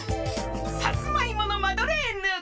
さつまいものマドレーヌ！